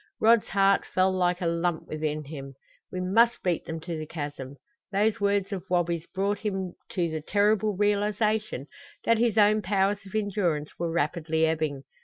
Rod's heart fell like a lump within him. We must beat them to the chasm! Those words of Wabi's brought him to the terrible realization that his own powers of endurance were rapidly ebbing.